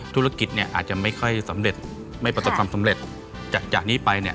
ธุรกิจเนี่ยอาจจะไม่ค่อยสำเร็จไม่ประสบความสำเร็จจากนี้ไปเนี่ย